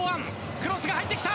クロスが入ってきた！